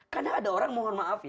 karena ada orang mohon maaf ya